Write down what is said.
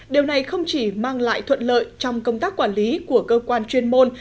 điều này không chỉ mang lại thuận lợi trong công tác quản lý của cơ quan chuyên môn